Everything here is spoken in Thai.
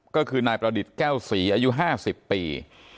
ก็คือนายประดิษฐ์แก้วศรีอายุ๕๐ปี